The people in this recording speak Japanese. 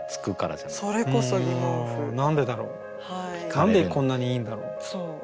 何でこんなにいいんだろう？